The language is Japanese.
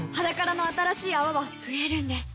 「ｈａｄａｋａｒａ」の新しい泡は増えるんです